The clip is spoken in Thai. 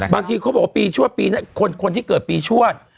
บางทีเขาบอกว่าปีชั่วคนที่เกิดปีชั่ว